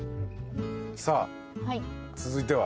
さあ続いては？